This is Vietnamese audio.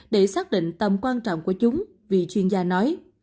để xác định tầm quan trọng của chúng vì chuyên gia nói